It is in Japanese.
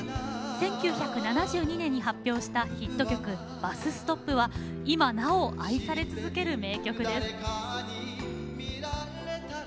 １９７２年に発表したヒット曲「バス・ストップ」は今なお愛され続ける名曲です。